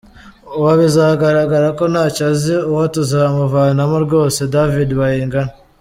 Uwo bizagaragara ko ntacyo azi uwo tuzamuvanamo rwose, David Bayingana.